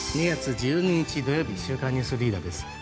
２月１２日、土曜日「週刊ニュースリーダー」です。